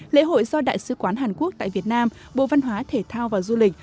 lễ hội do đại sứ quán hàn quốc tại việt nam bộ văn hóa thể thao và du lịch